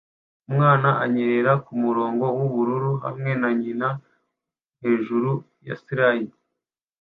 Umwana anyerera kumurongo wubururu hamwe na nyina hejuru ya slide